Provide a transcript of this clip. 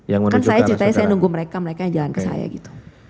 kan saya ceritanya saya nunggu mereka mereka yang jalan ke saya gitu